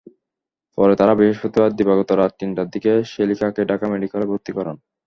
পরে তাঁরা বৃহস্পতিবার দিবাগত রাত তিনটার দিকে শ্যালিকাকে ঢাকা মেডিকেলে ভর্তি করান।